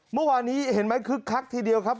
เมื่อวานนี้เห็นไหมคึกคักทีเดียวครับ